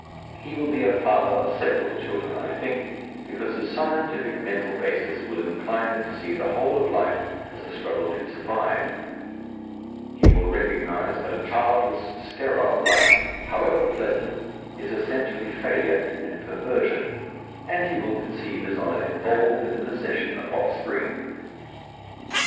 He will be a father of several children, I think, because his scientific mental basis will incline him to see the whole of life as a struggle to survive; he will recognize that a childless, sterile life, however pleasant, is essentially failure and perversion, and he will conceive his honour involved in the possession of offspring.